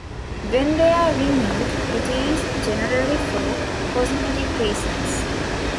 When they are removed, it is generally for cosmetic reasons.